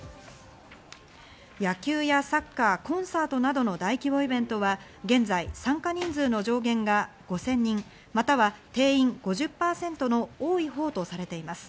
野球やサッカー、コンサートなどの大規模イベントは現在参加人数の上限が５０００人、または定員５０％の多いほうとされています。